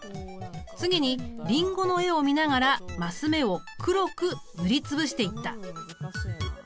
次にリンゴの絵を見ながらマス目を黒く塗り潰していった。